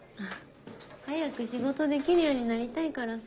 早く仕事できるようになりたいからさ。